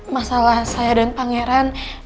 masalah saya dan pangeran